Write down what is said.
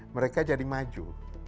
mereka jadi maju